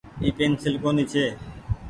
اي پينسيل ڪونيٚ ڇي۔